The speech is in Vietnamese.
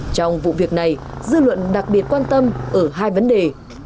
trong vụ việc này dư luận đặc biệt quan tâm ở hai vấn đề